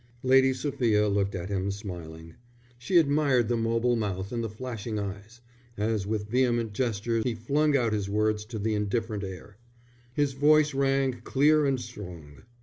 Lady Sophia looked at him, smiling. She admired the mobile mouth and the flashing eyes, as with vehement gesture he flung out his words to the indifferent air. His voice rang clear and strong.